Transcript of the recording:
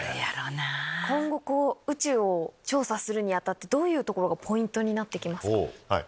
今後宇宙を調査するに当たってどういうところがポイントになってきますか？